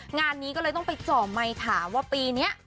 งานนี้ก็เลยต้องไปเจาะไมค์ถามว่าปีนี้